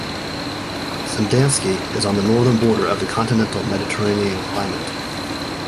Sandanski is on the northern border of the continental Mediterranean climate.